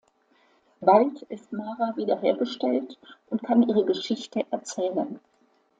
Bald ist Mara wiederhergestellt und kann ihre Geschichte erzählen.